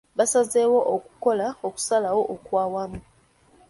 Baasazeewo okukola okusalawo okw'awamu.